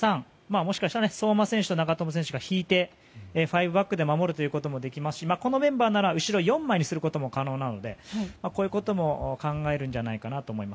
もしかしたら相馬選手と長友選手が引いて５バックで守ることもありますしこのメンバーなら後ろ４枚にすることも可能なのでこういうことも考えるんじゃないかと思います。